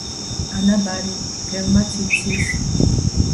ანაბარი მგელმაც იცის